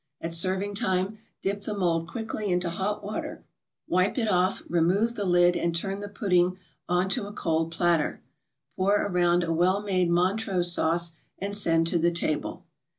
At serving time, dip the mold quickly into hot water, wipe it off, remove the lid and turn the pudding on to a cold platter. Pour around a well made Montrose Sauce, and send to the table.